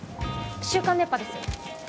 『週刊熱波』です。